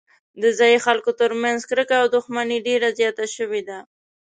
د ځايي خلکو ترمنځ کرکه او دښمني ډېره زیاته شوې ده.